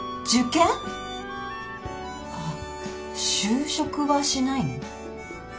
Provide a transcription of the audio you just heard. あっ就職はしないの？